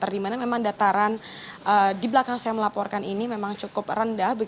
di mana memang dataran di belakang saya melaporkan ini memang cukup rendah